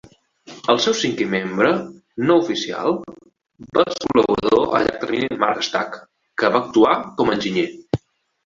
El seu cinquè membre no oficial va ser el col·laborador a llarg termini Mark Stagg, que va actuar com a enginyer.